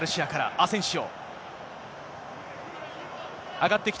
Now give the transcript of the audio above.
アセンシオ。